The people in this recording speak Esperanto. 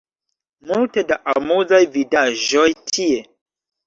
Multe da amuzaj vidaĵoj tie